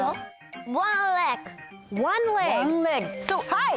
はい！